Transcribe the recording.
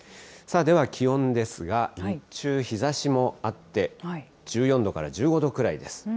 では気温ですが、日中、日ざしもあって、１４度から１５度くらいです。